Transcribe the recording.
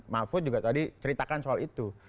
mahfud juga tadi ceritakan soal itu